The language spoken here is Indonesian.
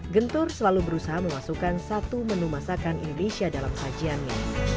gentur selalu berusaha memasukkan satu menu masakan indonesia dalam sajiannya